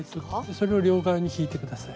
それを両側に引いて下さい。